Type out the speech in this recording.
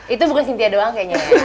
itu bukan sintia doang kayaknya